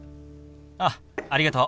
あっありがとう。